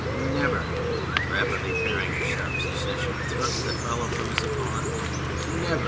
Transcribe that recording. Never ... (rapidly parrying a sharp succession of thrusts that follow from his opponent) never